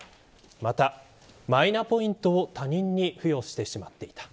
また、マイナポイントを他人に付与してしまっていた。